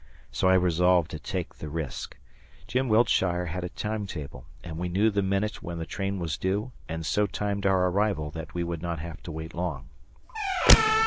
So I resolved to take the risk. Jim Wiltshire had a time table and we knew the minute when the train was due and so timed our arrival that we would not have to wait long.